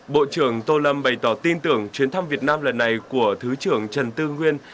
bộ trưởng tô lâm bày tỏ tin tưởng chuyến thăm việt nam lần này của thứ trưởng trần tư nguyên